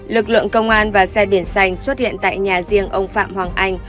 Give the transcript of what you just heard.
lực lượng công an và xe biển xanh xuất hiện tại nhà riêng ông phạm hoàng anh